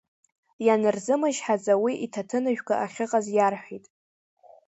Ианырзымычҳаӡа, уи иҭаҭынжәга ахьыҟаз иарҳәеит.